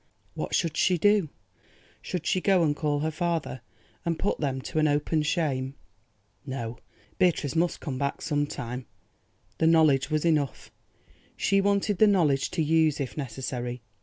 What should see do? Should she go and call her father and put them to an open shame? No. Beatrice must come back some time. The knowledge was enough; she wanted the knowledge to use if necessary.